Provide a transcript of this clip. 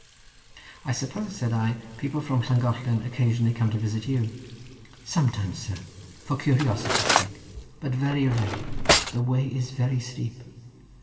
"I suppose," said I, "people from Llangollen occasionally come to visit you." "Sometimes, sir, for curiosity's sake; but very rarely—the way is very steep."